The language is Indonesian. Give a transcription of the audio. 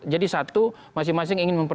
jadi satu masing masing ingin memper